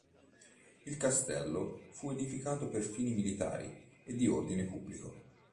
Il castello fu edificato per fini militari e di ordine pubblico.